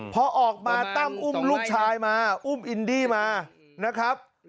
พอออกมาตั้มอุ้มลูกชายมาอุ้มอินดี้มานะครับ